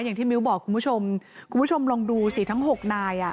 อย่างที่มิ้วบอกคุณผู้ชมคุณผู้ชมลองดูสิทั้ง๖นายอ่ะ